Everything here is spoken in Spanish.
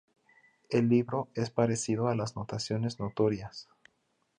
El libro es parecido a Las notaciones notorias.